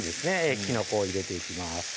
きのこを入れていきます